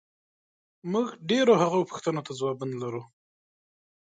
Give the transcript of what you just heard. موږ ډېرو هغو پوښتنو ته ځوابونه لرو،